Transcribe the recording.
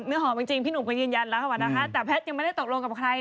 เนื้อหอมจริงพี่หนูต้องยืนยันแล้วคือเปล่านะคะ